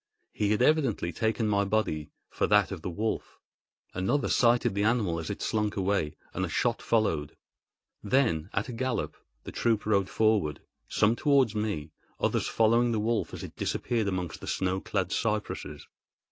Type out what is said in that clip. He had evidently taken my body for that of the wolf. Another sighted the animal as it slunk away, and a shot followed. Then, at a gallop, the troop rode forward—some towards me, others following the wolf as it disappeared amongst the snow clad cypresses.